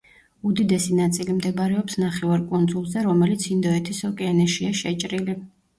უდიდესი ნაწილი მდებარეობს ნახევარკუნძულზე, რომელიც ინდოეთის ოკეანეშია შეჭრილი.